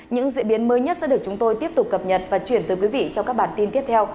những diễn biến mới nhất sẽ được chúng tôi tiếp tục cập nhật và chuyển tới quý vị trong các bản tin tiếp theo